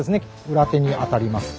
裏手にあたります。